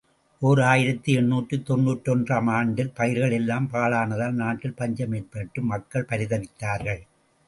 ஓர் ஆயிரத்து எண்ணூற்று தொன்னூற்றொன்று ஆம் ஆண்டில் பயிர்கள் எல்லாம் பாழானதால் நாட்டில் பஞ்சம் ஏற்பட்டு மக்கள் பரிதவித்தார்கள்!